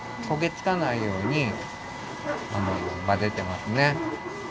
こげつかないようにまぜてますね。